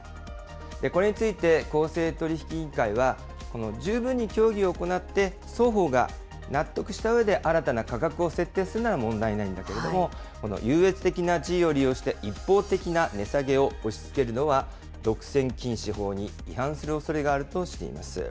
これについて公正取引委員会は、十分に協議を行って、双方が納得したうえで新たな価格を設定するなら問題ないんだけれども、この優越的な地位を利用して、一方的な値下げを押しつけるのは、独占禁止法に違反するおそれがあるとしています。